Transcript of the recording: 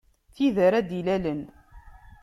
Tid ara d-ilalen.